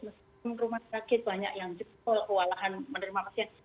meskipun rumah sakit banyak yang jebol kewalahan menerima pasien